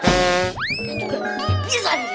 dan juga tidak bisa dilihat